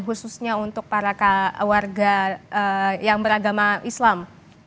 khususnya untuk para warga yang beragama islam